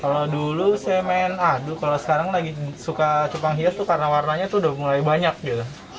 kalau dulu saya main aduh kalau sekarang lagi suka cupang hias itu karena warnanya tuh udah mulai banyak gitu